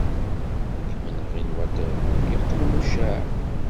Imenɣi n Waterloo yeqqel mucaɛ.